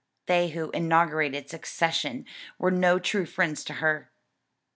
They who inaugurated secession were no true friends to her."